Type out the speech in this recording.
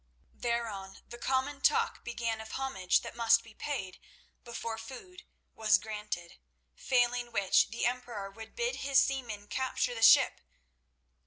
Thereon the common talk began of homage that must be paid before food was granted, failing which the Emperor would bid his seamen capture the ship.